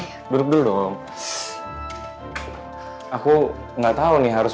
terima kasih banyak bastard